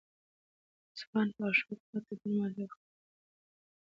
د اصفهان فاحشو حکومت ته ډېره مالیه ورکوله.